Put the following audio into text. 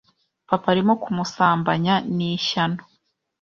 papa arimo kumusambanya?ni ishyano